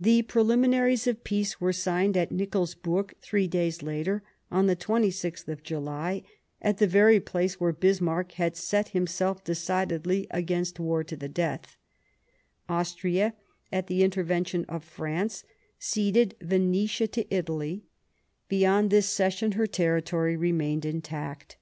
The preliminaries of peace were signed at Nikols burg three days later, on the 26th of July, at the very place where Bismarck had set atNikofsburg himself decidedly against war to the death, Austria, at the intervention of France, ceded Venetia to Italy ; beyond this 94 Sadowa cession her territory remained intact.